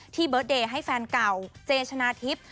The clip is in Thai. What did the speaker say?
เบิร์ดเดย์ให้แฟนเก่าเจชนะทิพย์